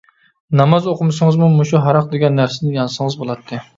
ناماز ئوقۇمىسىڭىزمۇ، مۇشۇ ھاراق دېگەن نەرسىدىن يانسىڭىز بولاتتى.